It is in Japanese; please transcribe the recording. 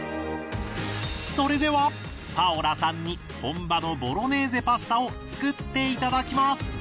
それではパオラさんに本場のボロネーゼパスタを作っていただきます！